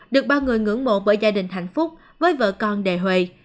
được bao người ngưỡng mộ bởi gia đình hạnh phúc với vợ con đề hội